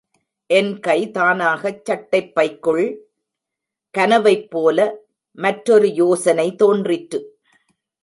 என் கை தானாகச் சட்டைப் பைக்குள்... கனவைப்போல மற்றொரு யோசனை தோன்றிற்று.